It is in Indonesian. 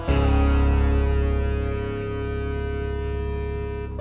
jangan lupa bang eri